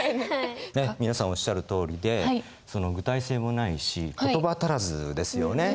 皆さんおっしゃるとおりで具体性もないしそうですね。